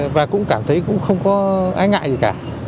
và cũng cảm thấy cũng không có ai ngại gì cả